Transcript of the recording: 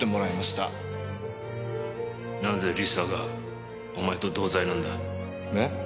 なぜ理沙がお前と同罪なんだ？え？